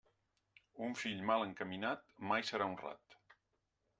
Un fill mal encaminat, mai serà honrat.